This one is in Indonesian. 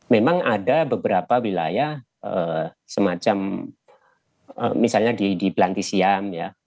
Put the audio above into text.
memang ada beberapa wilayah semacam misalnya di pelantisiam ya